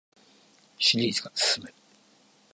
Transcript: シリーズが進む